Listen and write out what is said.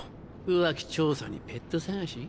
浮気調査にペット探し。